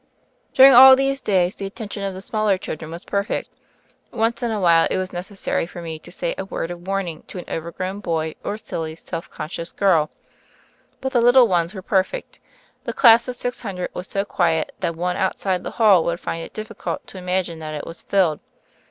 During all these days the attention of the smaller children was perfect. Once in a while it was necessary for me to say a word of warn ing to an overgrown boy or a silly self conscious girl; but the little ones were perfect. The class of six hundred was so quiet that one out side the hall would find it difficult to imagine that it was filled.